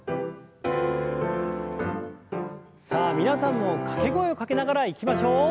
さあ皆さんも掛け声をかけながらいきましょう。